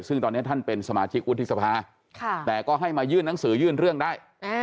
ซึ่งตอนนี้ท่านเป็นสมาชิกวุฒิสภาแต่ก็ให้มายื่นหนังสือยื่นเรื่องได้